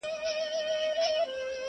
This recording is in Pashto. تاته هم یو زر دیناره درکومه,